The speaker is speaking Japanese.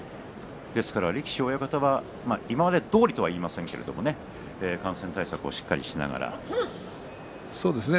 ですから力士、親方は今までどおりとはいいませんが感染対策をしっかりしているということですね。